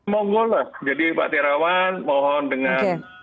monggo lah jadi pak terawan mohon dengan